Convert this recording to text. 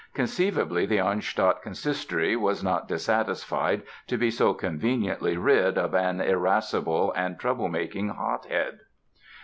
Conceivably the Arnstadt Consistory was not dissatisfied to be so conveniently rid of an irascible and troublemaking hothead.